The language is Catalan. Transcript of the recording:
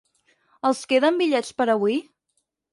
¿Els queden bitllets per avui?